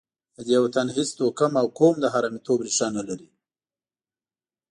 د دې وطن هېڅ توکم او قوم د حرامیتوب ریښه نه لري.